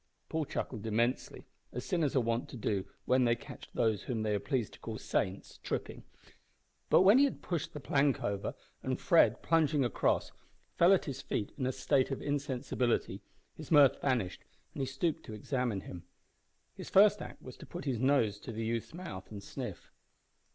Paul chuckled immensely as sinners are wont to do when they catch those whom they are pleased to call "saints" tripping but when he had pushed the plank over, and Fred, plunging across, fell at his feet in a state of insensibility, his mirth vanished and he stooped to examine him. His first act was to put his nose to the youth's mouth and sniff.